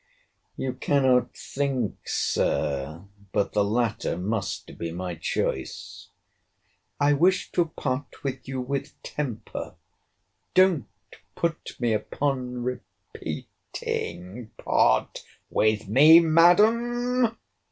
You cannot think, Sir, but the latter must be my choice. I wish to part with you with temper—don't put me upon repeating— Part with me, Madam!